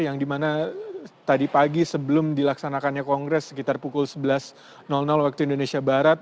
yang dimana tadi pagi sebelum dilaksanakannya kongres sekitar pukul sebelas waktu indonesia barat